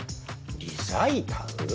リサイタル？